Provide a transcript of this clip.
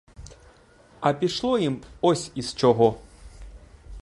А пішло їм ось із чого.